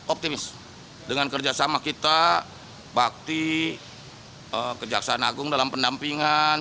optimis dengan kerjasama kita bakti kejaksaan agung dalam pendampingan